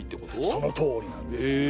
そのとおりなんですよ。